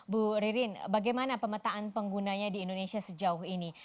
bu ririn bagaimana pemetaan penggunanya di indonesia sejauh ini